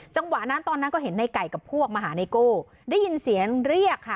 จังหวะนั้นตอนนั้นก็เห็นในไก่กับพวกมาหาไนโก้ได้ยินเสียงเรียกค่ะ